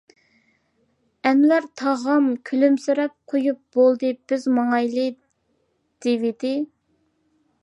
ئەنۋەر تاغام كۈلۈمسىرەپ قويۇپ بولدى بىز ماڭايلى دېۋىدى.